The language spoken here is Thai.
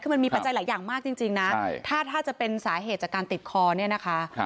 คือมันมีปัจจัยหลายอย่างมากจริงนะถ้าจะเป็นสาเหตุจากการติดคอเนี่ยนะคะ